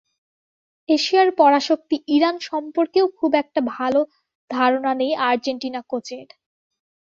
এশিয়ার পরাশক্তি ইরান সম্পর্কেও খুব একটা ভালো ধারণা নেই আর্জেন্টিনা কোচের।